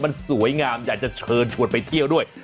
มันสวยงามอยากจะเชิญชวนไปเที่ยวด้วย